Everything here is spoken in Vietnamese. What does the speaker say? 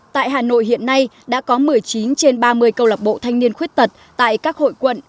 tại hà nội hiện nay đã có một mươi chín trên ba mươi câu lạc bộ thanh niên khuyết tật tại các hội quận